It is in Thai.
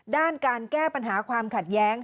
ด้านการแก้ปัญหาความขัดแย้ง